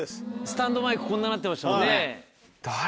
スタンドマイクこんななってましたもんね。